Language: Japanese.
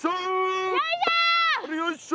よいしょ。